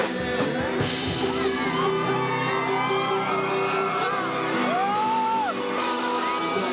เหมือนว่าไม่ได้กลับไหว